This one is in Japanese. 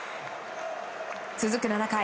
続く７回。